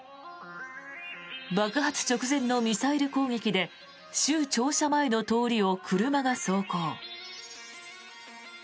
爆発直前のミサイル攻撃で州庁舎前の通りを車が走行。